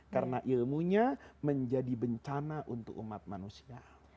karena ilmunya menjadi bencana untuk umat manusia